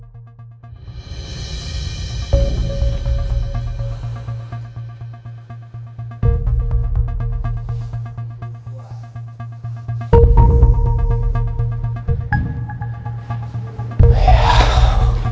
kau sudah kemas agriculture